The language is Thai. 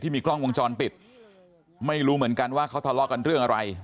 มีกล้องวงจรปิดไม่รู้เหมือนกันว่าเขาทะเลาะกันเรื่องอะไร